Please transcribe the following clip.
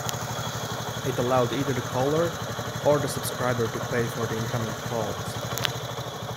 It allowed either the caller or the subscriber to pay for the incoming calls.